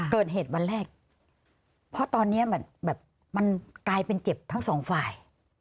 เกิดเหตุวันแรกเพราะตอนนี้แบบมันกลายเป็นเจ็บทั้งสองฝ่าย